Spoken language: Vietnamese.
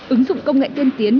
ứng dụng công nghệ tiên tiến